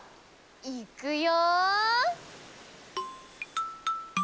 いくよ！